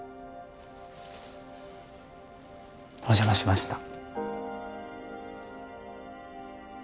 お邪魔しました